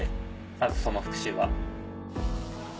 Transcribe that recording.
まずその復習は。